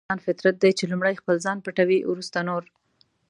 دا د انسان فطرت دی چې لومړی خپل ځان پټوي ورسته نور.